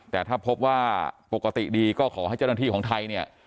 แต่ถ้าพบว่าปกติดีก็ขอให้เจ้าหน้าที่ของไทยเนี่ย